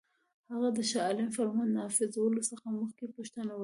هغه د شاه عالم فرمان نافذولو څخه مخکي پوښتنه وکړي.